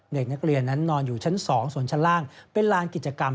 เด็กนักเรียนนั้นนอนอยู่ชั้น๒ส่วนชั้นล่างเป็นลานกิจกรรม